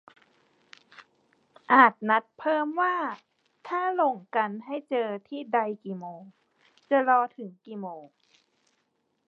- อาจนัดเพิ่มว่า ถ้าหลงกันให้เจอที่ใดกี่โมง จะรอถึงกี่โมง